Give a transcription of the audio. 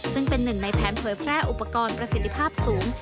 ซึ่งเป็นหนึ่งในแผนเผยแพร่อุปกรณ์ประสิทธิภาพสูง